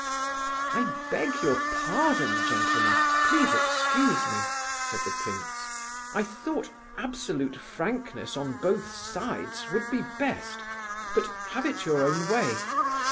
"I beg your pardon, gentlemen; please excuse me," said the prince. "I thought absolute frankness on both sides would be best, but have it your own way.